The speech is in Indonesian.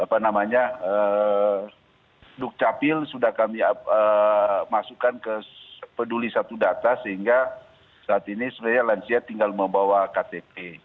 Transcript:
apa namanya dukcapil sudah kami masukkan ke peduli satu data sehingga saat ini sebenarnya lansia tinggal membawa ktp